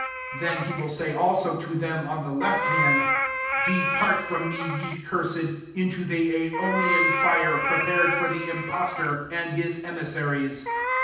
41 " Then he will say also to them on the left hand, « De part fix)m me, ye cursed, into the aionian fire, prepared for the impostor and his emissa* ries.